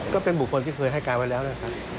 ก็เป็นบุคคลที่เคยให้การไว้แล้วนะครับ